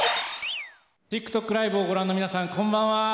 ＴｉｋＴｏｋライブをご覧の皆さん、こんばんは。